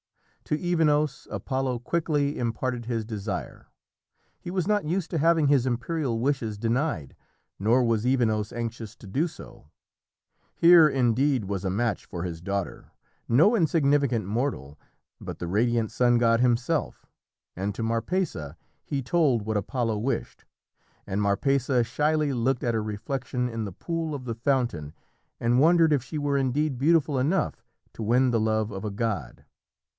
To Evenos Apollo quickly imparted his desire. He was not used to having his imperial wishes denied, nor was Evenos anxious to do so. Here, indeed, was a match for his daughter. No insignificant mortal, but the radiant sun god himself! And to Marpessa he told what Apollo wished, and Marpessa shyly looked at her reflection in the pool of the fountain, and wondered if she were indeed beautiful enough to win the love of a god.